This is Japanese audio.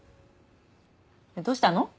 どうしたの？